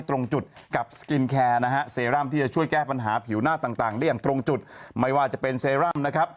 รือทั้งหมดไม่เป็นความจริง